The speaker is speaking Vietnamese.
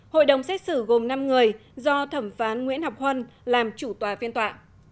hội đồng xét xử gồm năm người do thẩm phán nguyễn học huân làm chủ tòa phiên tòa